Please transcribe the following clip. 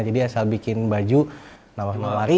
jadi asal bikin baju nawarin aja jual